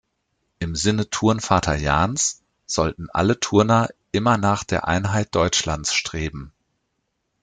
Im Sinne Turnvater Jahns sollten alle Turner immer nach der Einheit Deutschlands streben.